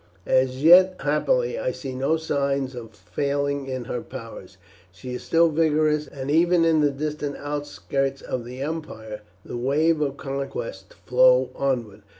"As yet, happily, I see no signs of failing in her powers. She is still vigorous, and even in the distant outskirts of the empire the wave of conquest flows onward.